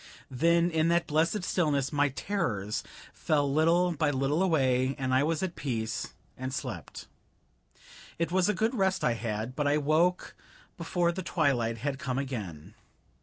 Then in that blessed stillness my terrors fell little by little away, and I was at peace and slept. It was a good rest I had, but I woke before the twilight had come again.